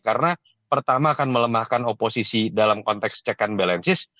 karena pertama akan melemahkan oposisi dalam konteks check and balances